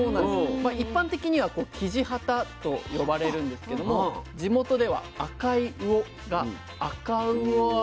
一般的にはきじはたと呼ばれるんですけども地元では赤い魚があかうおあ